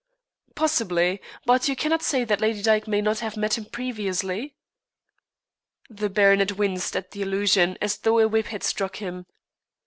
"Possibly. But you cannot say that Lady Dyke may not have met him previously?" The baronet winced at the allusion as though a whip had struck him.